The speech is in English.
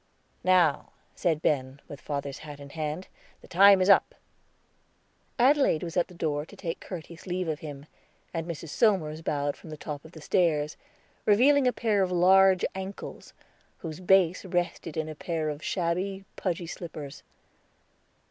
"Now," said Ben, with father's hat in his hand, "the time is up." Adelaide was at the door to take courteous leave of him, and Mrs. Somers bowed from the top of the stairs, revealing a pair of large ankles, whose base rested in a pair of shabby, pudgy slippers.